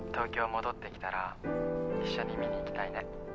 戻ってきたら一緒に見に行きたいね。